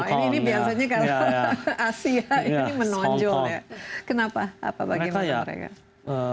ini biasanya kalau asia ini menonjol ya kenapa apa bagaimana mereka